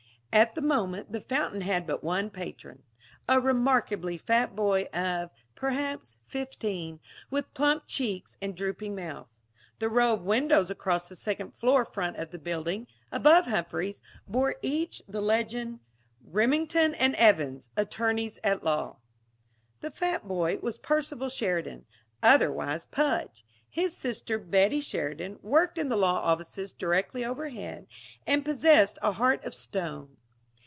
At the moment the fountain had but one patron a remarkably fat boy of, perhaps, fifteen, with plump cheeks and drooping mouth.... The row of windows across the second floor front of the building, above Humphrey's, bore, each, the legend Remington and Evans, Attorneys at Law. The fat boy was Percival Sheridan, otherwise Pudge. His sister, Betty Sheridan, worked in the law offices directly overhead and possessed a heart of stone.